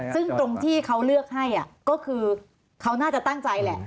ซึ่งตรงที่เขาเลือกให้ก็คือเขาน่าจะตั้งใจแหละ